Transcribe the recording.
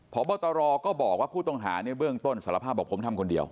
พบตรก็บอกว่าผู้ต้องหาในเบื้องต้นสารภาพบอกผมทำคนเดียว